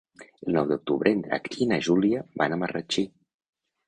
El nou d'octubre en Drac i na Júlia van a Marratxí.